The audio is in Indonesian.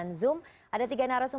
terima kasih juga pak sonny